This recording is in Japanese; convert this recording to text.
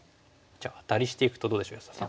じゃあアタリしていくとどうでしょう安田さん。